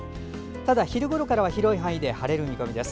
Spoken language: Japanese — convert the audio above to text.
ただ、昼ごろから広い範囲で晴れる見込みです。